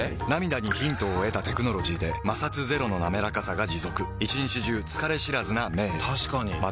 涙にヒントを得たテクノロジーで摩擦ゼロのなめらかさが持続一日中疲れ知らずな目へ確かに。